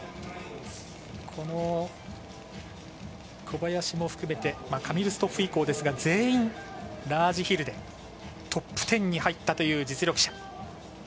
この小林も含めてカミル・ストッフ以降ですが全員ラージヒルでトップ１０に入ったという実力者。